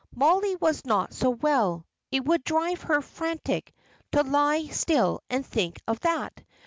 Mollie was not so well. It would drive her frantic to lie still and think of that.